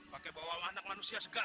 pakai bawa anak manusia segar